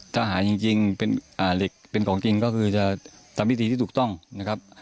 ถ้าหาจริงเป็นเหล็กเป็นของจริงก็คือจะทำพิธีที่ถูกต้องนะครับ